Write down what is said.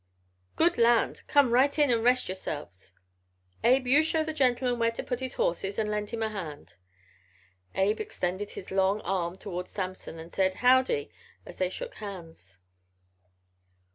"Good land! Come right in an' rest yerselves. Abe, you show the gentleman where to put his horses an' lend him a hand." Abe extended his long arm toward Samson and said "Howdy" as they shook hands.